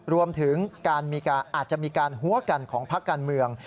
รวมถึงอาจจะมีการหัวกันของพักการเมือง